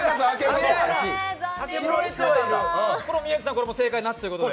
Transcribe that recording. これは正解なしということで。